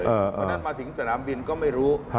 เพราะฉะนั้นมาถึงสนามบินก็ไม่รู้